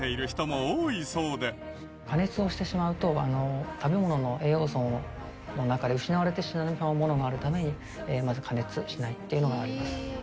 加熱をしてしまうと食べ物の栄養素の中で失われてしまうものがあるためにまず加熱しないっていうのがあります。